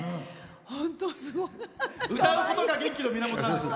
本当すごい。歌うことが元気の源なんですか。